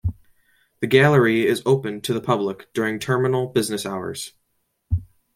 The gallery is open to the public during terminal business hours.